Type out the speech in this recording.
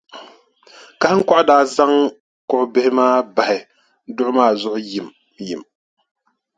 Kahiŋkɔɣu daa zaŋ kuɣʼ bihi maa bahi duɣu ma zuɣu yimyim.